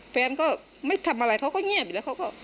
แฟนก็ไม่ทำอะไรเขาก็เงียบอีกแล้ว